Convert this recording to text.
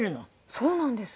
そうなんです。